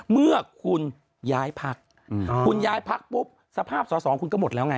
เมื่อคุณย้ายพักคุณย้ายพักปุ๊บสภาพสอสอคุณก็หมดแล้วไง